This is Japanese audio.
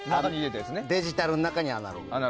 デジタルの中にアナログ。